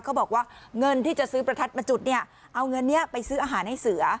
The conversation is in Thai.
เขาบอกว่าเงินที่จะซื้อประทัดมาจุดเนี่ยเอาเงินนี้ไปซื้ออาหารให้เสือ